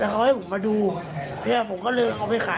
ก็โดนก่อขึ้นมา